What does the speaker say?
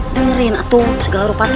dengerin atuh segala rupa teh